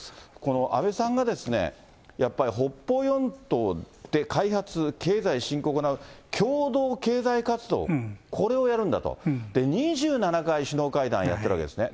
安倍さんが、やっぱり北方四島で開発、経済振興、共同経済活動、これをやるんだと、２７回首脳会談やってるわけですね。